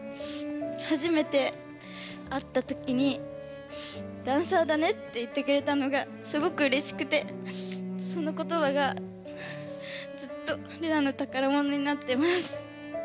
はじめて会ったときに「ダンサーだね」って言ってくれたのがすごくうれしくてその言葉がずっとレナの宝物になってます。